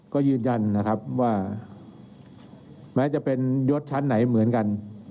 ก็ยืนยันนะครับว่าแม้จะเป็นยศชั้นไหนเหมือนกัน